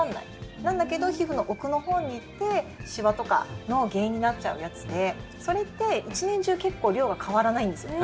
なんだけど皮膚の奥のほうに行ってシワとかの原因になっちゃうやつでそれって一年中結構量が変わらないんですよ。